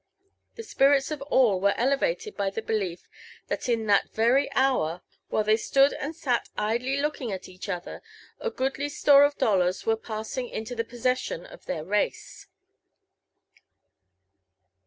The spirits of all were elevated by the belief that in that very hour, while they stood and sat idly looking at each other, a goodly store of dollars were passing into the possession of their race.